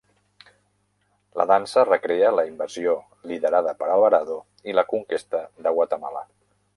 La dansa recrea la invasió liderada per Alvarado i la conquesta de Guatemala.